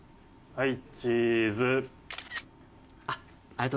はい？